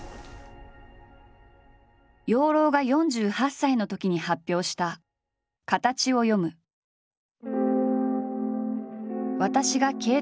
養老が４８歳のときに発表した「形を読む」。とは何か？